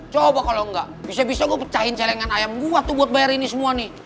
coba kalau nggak bisa bisa gue pecahin celengan ayam gue tuh buat bayar ini semua nih